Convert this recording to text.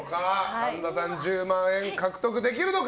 神田さんは１０万円獲得できるのか。